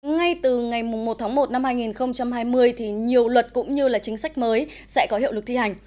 ngay từ ngày một tháng một năm hai nghìn hai mươi thì nhiều luật cũng như chính sách mới sẽ có hiệu lực thi hành